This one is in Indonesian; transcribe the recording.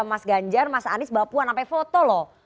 mas ganjar mas anies mbak puan sampai foto loh